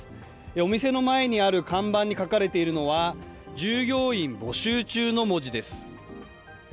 お店の前にある看板に書かれているのは、従業員募集中の文字です。